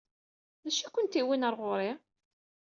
D acu i kent-yewwin ɣer ɣur-i?